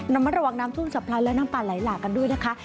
น้ำมันระวังน้ำทุ่มจับพลันและน้ำปลาไหลหลากันด้วยนะคะ